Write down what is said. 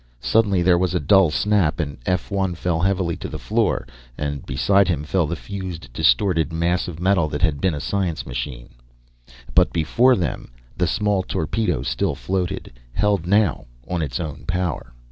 Suddenly, there was a dull snap, and F 1 fell heavily to the floor, and beside him fell the fused, distorted mass of metal that had been a science machine. But before them, the small torpedo still floated, held now on its own power!